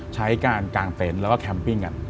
ใช้การกางเต็นต์แล้วก็แคมปิ้งกัน